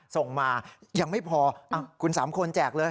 ส่งมายังไม่พอคุณ๓คนแจกเลย